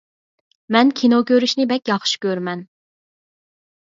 مەن كىنو كۆرۈشنى بەك ياخشى كۆرىمەن.